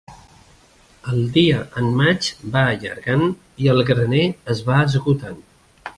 El dia en maig va allargant i el graner es va esgotant.